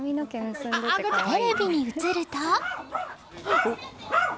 テレビに映ると。